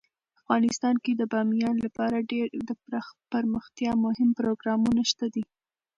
افغانستان کې د بامیان لپاره ډیر دپرمختیا مهم پروګرامونه شته دي.